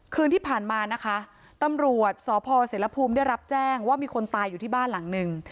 คืนที่ผ่านมานะคะตำรวจสพเสรภูมิได้รับแจ้งว่ามีคนตายอยู่ที่บ้านหลังหนึ่ง